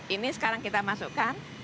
ini sekarang kita masukkan